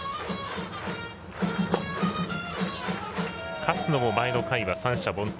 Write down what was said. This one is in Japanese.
勝野も前の回は三者凡退。